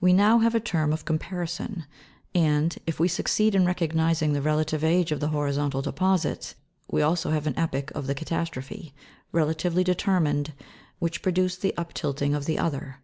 We now have a term of comparison, and, if we succeed in recognising the relative age of the horizontal deposit, we also have an epoch of the catastrophe, relatively determined, which pro duced the uptilting of the other.